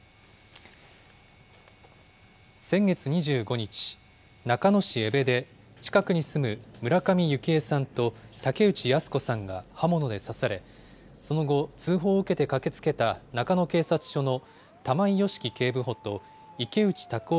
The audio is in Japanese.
先月２５日、中野市江部で近くに住む村上幸枝さんと竹内靖子さんが刃物で刺され、その後、通報を受けて駆けつけた中野警察署の玉井良樹警部補と池内卓夫